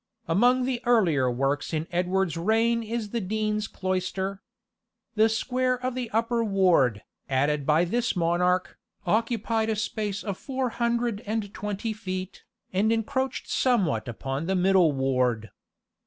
Among the earlier works in Edward's reign is the Dean's Cloister. The square of the upper ward, added by this monarch, occupied a space of four hundred and twenty feet, and encroached somewhat upon the middle ward.